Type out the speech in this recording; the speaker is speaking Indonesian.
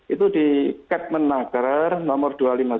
itu di ketmen nagar nomor